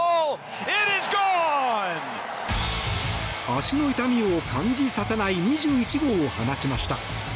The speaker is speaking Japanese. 足の痛みを感じさせない２１号を放ちました。